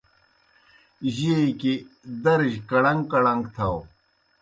جیئے کیْ درِجیْ کڑݩگ کڑݩگ تھاؤ۔